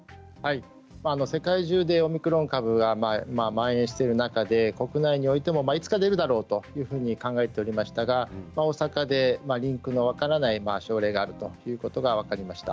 世界中でオミクロン株がまん延している中で国内においてもいつか出るだろうと考えていましたが大阪でリンクの分からない症例があるということが分かりました。